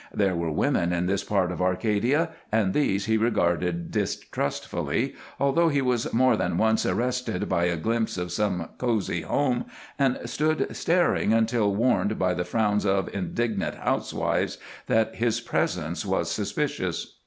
There were women in this part of Arcadia, and these he regarded distrustfully, although he was more than once arrested by a glimpse of some cozy home, and stood staring until warned by the frowns of indignant housewives that his presence was suspicious.